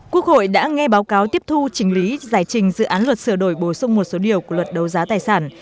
quốc hội đã nghe báo cáo tiếp thu trình lý giải trình dự án luật sửa đổi bổ sung một số điều của luật đấu giá tài sản